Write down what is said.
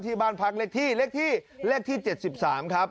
ที่บ้านพักเล็กที่เล็กที่๗๓ครับ